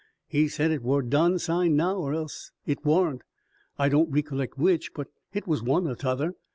He said hit war done signed now, or else hit warn't. I don't ree colleck which, but hit was one or t'other.